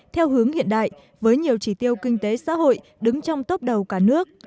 theo hướng hiện đại với nhiều trí tiêu kinh tế xã hội đứng trong tốc đầu cả nước